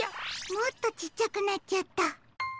もっとちっちゃくなっちゃった。